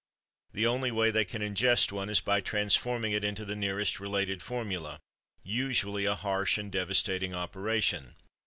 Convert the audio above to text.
The only way they can ingest one is by transforming it into the nearest related formula—usually a harsh and devastating operation.